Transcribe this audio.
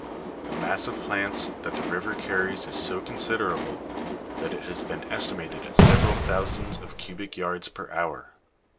The mass of plants that the river carries is so considerable, that it has been estimated at several thousands of cubic yards per hour.